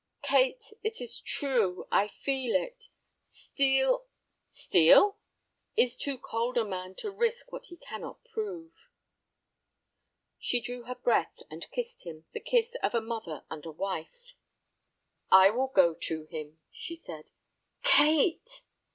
"Kate, it is true, I feel it. Steel—" "Steel?" "Is too cold a man to risk what he cannot prove." She drew her breath, and kissed him, the kiss of a mother and a wife. "I will go to him," she said. "Kate!"